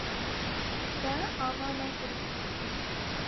Te ava nekir.